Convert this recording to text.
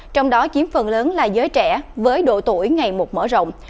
trong đó chiếm phần lớn là giới trẻ với độ tuổi ngày một mở rộng